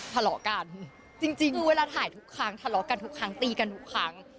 ทะเลาะกันจริงคือเวลาถ่ายทุกครั้งทะเลาะกันทุกครั้งตีกันทุกครั้ง